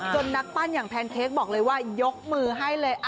นักปั้นอย่างแพนเค้กบอกเลยว่ายกมือให้เลย